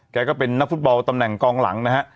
ก็เป็นนักฟุตบอลตำแหน่งกองหลังนะฮะ